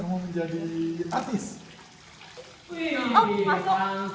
kamu menjadi artis